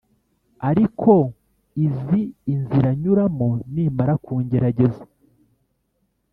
Ariko izi inzira nyuramo Nimara kungerageza